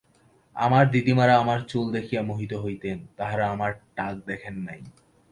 আমার দিদিমারা আমার চুল দেখিয়া মোহিত হইতেন, তাঁহারা আমার টাক দেখেন নাই।